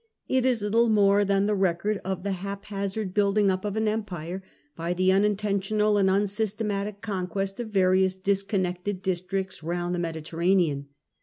It is litfcle more than the record of the haphazard building up of an empire, by the unintentional and unsystematic conquest o£ various disconnected districts round the Mediterranean.